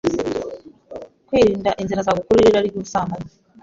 Kwirinda inzira zagukururira irari rw’ubusambanyi.